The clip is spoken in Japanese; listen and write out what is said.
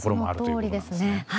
本当にそのとおりですね。